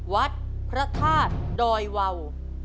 วัดพระธาตุดอยวาว